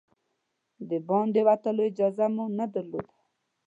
د باندې وتلو اجازه مو نه درلوده.